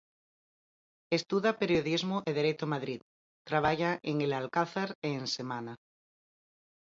Estuda Periodismo e Dereito en Madrid, traballa en El Alcázar e en Semana.